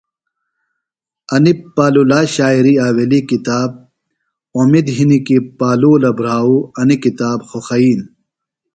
انی پالولا شاعری آویلی کتاب اومید ہِنیۡ کیۡ پالولہ بھراو انیۡ کتاب خوخئین۔